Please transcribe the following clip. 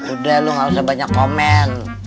udah lu gak usah banyak komen